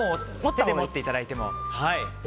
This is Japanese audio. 手で持っていただいても。